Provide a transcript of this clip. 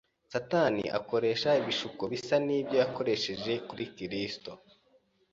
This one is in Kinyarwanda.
Satani akoresha ibishuko bisa n’ibyo yakoresheje kuri Kristo,